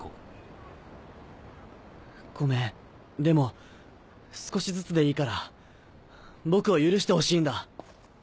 ごめんでも少しずつでいいから僕を許してほしいんだ。